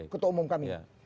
ketua umum kami